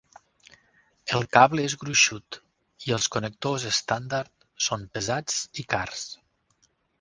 El cable és gruixut, i els connectors estàndard són pesats i cars.